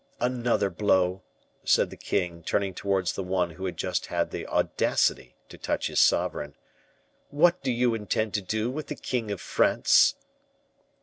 "Another blow," said the king, turning towards the one who had just had the audacity to touch his sovereign; "what do you intend to do with the king of France?"